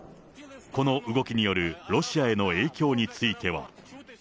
この動きによるロシアへの影響については。